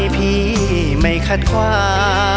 พี่ไม่ขัดขวา